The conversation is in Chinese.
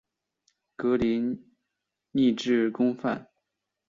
格林尼治宫苑。